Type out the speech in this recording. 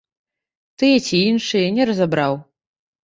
Тыя ці іншыя, не разабраў.